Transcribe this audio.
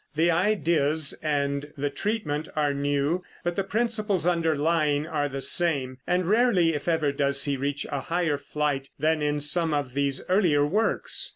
The ideas and the treatment are new, but the principles underlying are the same, and rarely, if ever, does he reach a higher flight than in some of these earlier works.